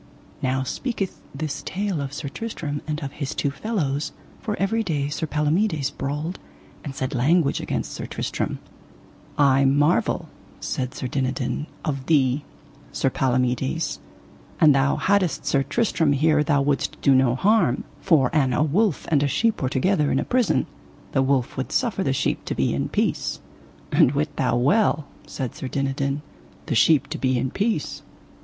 Now speaketh this tale of Sir Tristram and of his two fellows, for every day Sir Palomides brawled and said language against Sir Tristram. I marvel, said Sir Dinadan, of thee, Sir Palomides, an thou haddest Sir Tristram here thou wouldst do him no harm; for an a wolf and a sheep were together in a prison the wolf would suffer the sheep to be in peace.